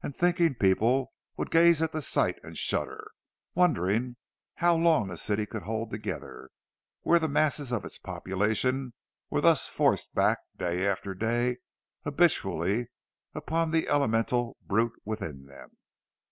And thinking people would gaze at the sight and shudder, wondering—how long a city could hold together, when the masses of its population were thus forced back, day after day, habitually, upon the elemental brute within them.